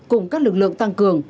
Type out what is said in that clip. cùng các lực lượng tăng cường